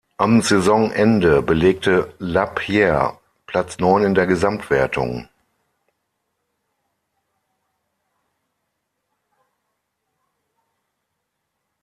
Am Saisonende belegte Lapierre Platz neun in der Gesamtwertung.